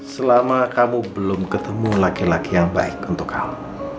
selama kamu belum ketemu laki laki yang baik untuk kamu